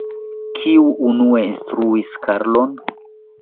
Kiu unue instruis Karlon?